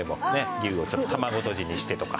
牛をちょっと卵とじにしてとか。